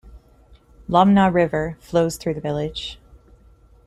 Lomná River flows through the village.